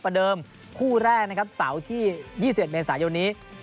เดิมคู่แรกนะครับเสาร์ที่๒๑เมษายนนี้